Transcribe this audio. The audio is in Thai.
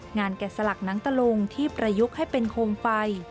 งานแก่สลักน้างตลงที่ประยุกต์ให้เป็นโคมไฟ